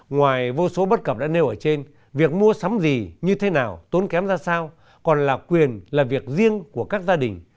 ngoài vô số bất cập đã nêu ở trên việc mua sắm gì như thế nào tốn kém ra sao còn là quyền là việc riêng của các gia đình